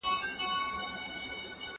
¬ د زنگي لالا واده دئ، غول باسي ننه باسي.